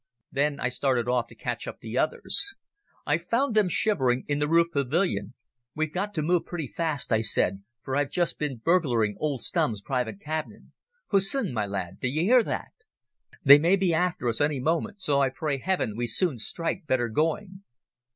Then I started off to catch up the others. I found them shivering in the roof pavilion. "We've got to move pretty fast," I said, "for I've just been burgling old Stumm's private cabinet. Hussin, my lad, d'you hear that? They may be after us any moment, so I pray Heaven we soon strike better going."